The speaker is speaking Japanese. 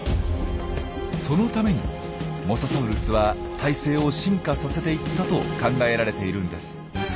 そのためにモササウルスは胎生を進化させていったと考えられているんです。